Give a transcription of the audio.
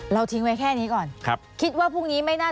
เราทิ้งไว้แค่นี้ก่อน